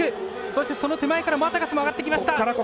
そして、その手前からマタカスも上がってきました。